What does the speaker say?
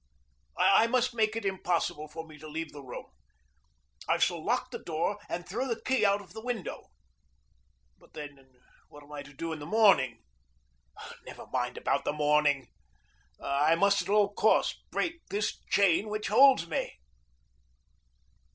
I must make it impossible for me to leave the room. I shall lock the door and throw the key out of the window. But, then, what am I to do in the morning? Never mind about the morning. I must at all costs break this chain which holds me.